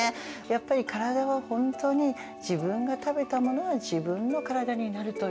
やっぱり体は本当に自分が食べたものは自分の体になるということ。